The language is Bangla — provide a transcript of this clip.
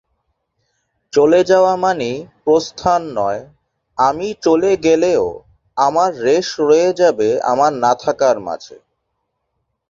ময়দান মেট্রো স্টেশন থেকে এটা অতি নিকটবর্তী দূরত্বে অবস্থিত।